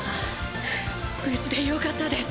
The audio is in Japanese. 無事でよかったです。